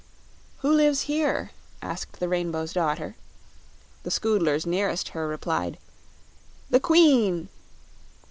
"Who lives here?" asked the Rainbow's Daughter. The Scoodlers nearest her replied: "The Queen."